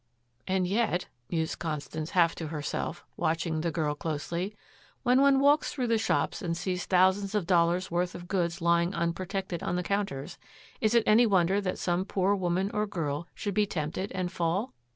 "And yet," mused Constance half to herself, watching the girl closely, "when one walks through the shops and sees thousands of dollars' worth of goods lying unprotected on the counters, is it any wonder that some poor woman or girl should be tempted and fall?